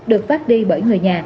được phát đi bởi người nhà